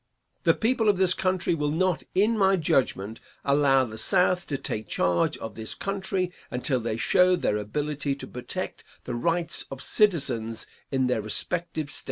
The people of this country will not, in my judgment, allow the South to take charge of this country until they show their ability to protect the rights of citizens in their respective States.